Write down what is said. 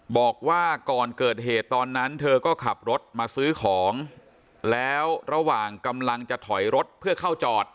บอกว่าก่อนเกิดเหตุตอนนั้นเธอก็ขับรถมาซื้อของแล้วระหว่างกำลังจะถอยรถเพื่อเข้าจอด